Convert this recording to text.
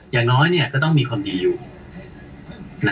อย่างน้อยก็ต้องมีความดีอยู่